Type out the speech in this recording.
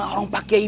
orang pak kiai